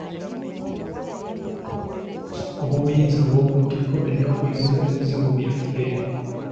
Ow'obuyinza ow'oku ntikko alina okuwuliriza ebizibu byaffe.